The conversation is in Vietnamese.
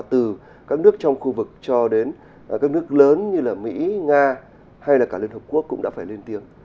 từ các nước trong khu vực cho đến các nước lớn như là mỹ nga hay là cả liên hợp quốc cũng đã phải lên tiếng